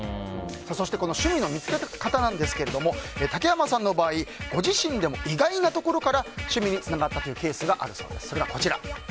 そして、趣味の見つけ方ですが竹山さんの場合ご自身でも意外なところから趣味につながったというケースがあるそうです。